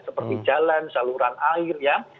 seperti jalan saluran air ya